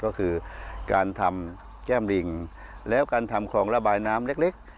ก็คือการทำแก้มลิงแล้วการทำคลองระบายน้ำเล็ก